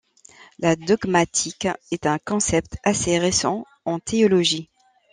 La dogmatique est un concept assez récent en théologie.